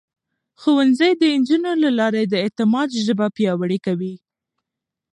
ښوونځی د نجونو له لارې د اعتماد ژبه پياوړې کوي.